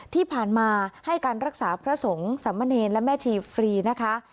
ที่ผ่านมาให้การรักษาพระสงฆ์สามเณรและแม่ชีพรีนะคะ